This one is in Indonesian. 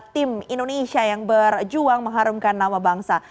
tim indonesia yang berjuang mengharumkan nama bangsa